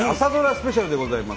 スペシャルでございます。